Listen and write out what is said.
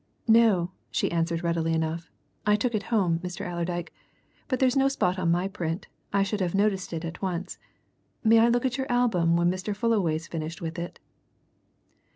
"No," she answered readily enough. "I took it home, Mr. Allerdyke. But there's no spot on my print I should have noticed it at once. May I look at your album when Mr. Fullaway's finished with it?"